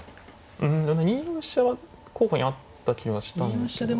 うん２四飛車は候補にあった気はしたんですけど。